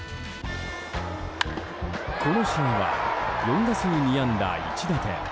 この試合は４打数２安打１打点。